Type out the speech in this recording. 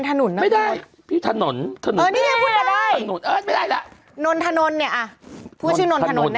ถนนไม่ได้ถนนถนนถนนถนนถนนถนนถนนถนนถนนถนนถนนถนน